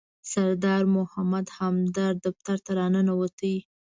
سردار محمد همدرد دفتر ته راننوت.